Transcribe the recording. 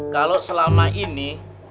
kalau selama ini